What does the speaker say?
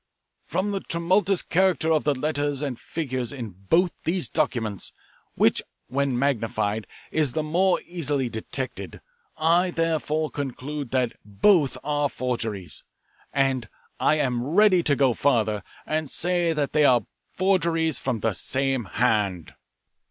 From the tremulous character of the letters and figures in both these documents, which when magnified is the more easily detected, I therefore conclude that both are forgeries, and I am ready to go farther and say that they are forgeries from the same hand.